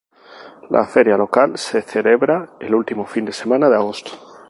La feria local se celebra el último fin de semana de agosto.